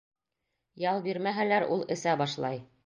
Ял бирмәһәләр, ул эсә башлай.